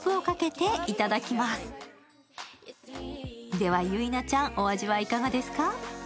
ではゆいなちゃん、お味はいかがですか？